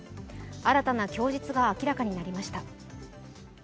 新たな供述が明らかになりました。